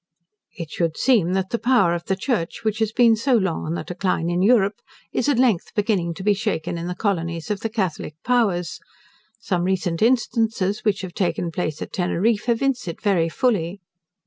It should seem that the power of the Church, which has been so long on the decline in Europe, is at length beginning to be shaken in the colonies of the Catholic powers: some recent instances which have taken place at Teneriffe, evince it very fully.